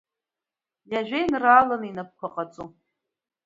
Иажәеинрааланы, инапқәа ҟаҵо.